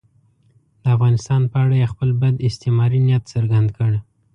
د افغانستان په اړه یې خپل بد استعماري نیت څرګند کړ.